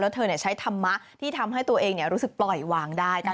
แล้วเธอใช้ธรรมะที่ทำให้ตัวเองรู้สึกปล่อยวางได้